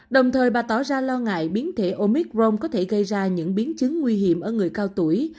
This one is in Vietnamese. đồng thời bà tỏ ra lo ngại biến thể omicron có thể gây ra những biến chứng nguy hiểm ở người cao tuổi